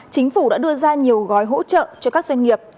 chính phủ đã đưa ra nhiều gói hỗ trợ cho các doanh nghiệp